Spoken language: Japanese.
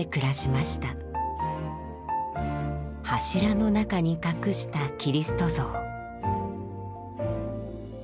柱の中に隠したキリスト像。